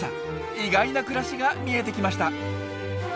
意外な暮らしが見えてきました！